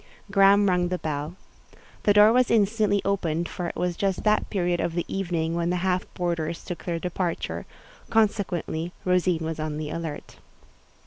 Graham rung the bell. The door was instantly opened, for it was just that period of the evening when the half boarders took their departure—consequently, Rosine was on the alert.